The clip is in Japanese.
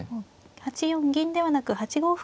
８四銀ではなく８五歩から。